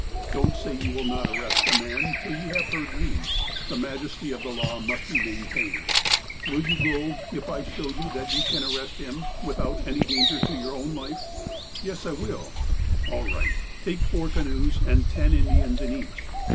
" Don't say you will not arrest the man till you have heard me. The majesty of the law must be maintained. Will you go if I show you that you can arrest him, with out any danger to your own life ?'''' Yes, I will." "All right. Take four canoes, and ten Indians in each.